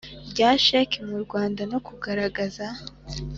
rya sheki mu Rwanda no kugaragaza